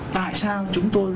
tại sao chúng tôi